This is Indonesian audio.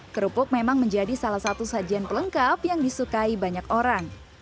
kerupuk memang menjadi salah satu sajian pelengkap yang disukai banyak orang